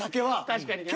確かにな。